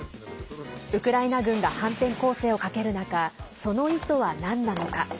ウクライナ軍が反転攻勢をかける中その意図はなんなのか。